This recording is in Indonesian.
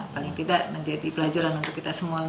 paling tidak menjadi pelajaran untuk kita semua